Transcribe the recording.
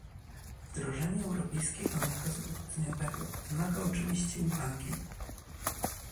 Wdrożenie europejskiego nakazu dochodzeniowego wymaga oczywiście uwagi